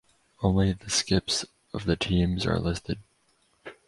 Only the skips of the teams are listed.